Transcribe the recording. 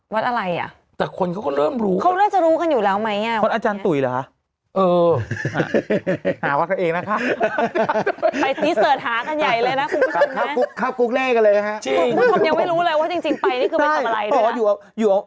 พรับกุ๊กเลขเลยนะครับคุณผู้ชมยังไม่รู้เลยว่าจริงไปนี่คือเป็นทำอะไรเลยครับ